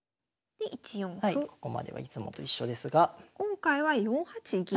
ここまではいつもと一緒ですが今回は４八銀。